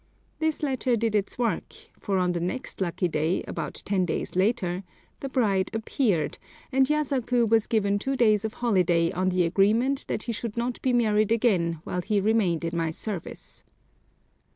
This letter did its work, for on the next lucky day, about ten days later, the bride appeared, and Yasaku was given two days of holiday on the agreement that he should not be married again while he remained in my service.